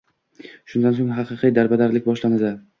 Shundan so`ng haqiqiy darbadarlik boshlanadi